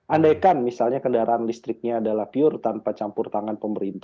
andaikan misalnya kendaraan listriknya adalah pure tanpa campur tangan pemerintah